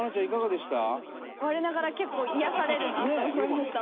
我ながら結構癒やされるなと思いました。